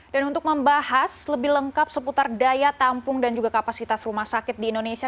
untuk membahas lebih lengkap seputar daya tampung dan juga kapasitas rumah sakit di indonesia